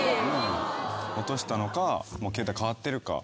落としたのかもう携帯かわってるか。